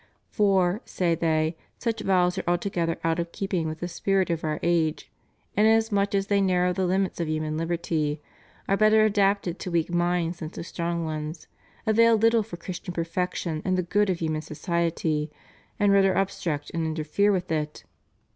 For, say they, such vows are altogether out of keeping with the spirit of our age, inasmuch as they narrow the limits of human liberty; are better adapted to weak minds than to strong ones; avail little for Chris tian perfection and the good of human society, and rather obstruct and interfere with it.